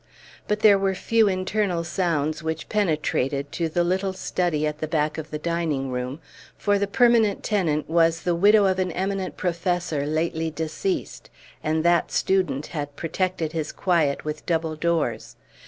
But there were few internal sounds which penetrated to the little study at the back of the dining room, for the permanent tenant was the widow of an eminent professor lately deceased, and that student had protected his quiet with double doors.